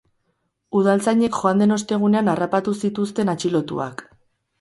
Udaltzainek joan den ostegunean harrapatu zituzten atxilotuak.